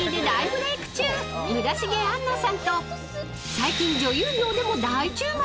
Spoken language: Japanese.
［最近女優業でも大注目。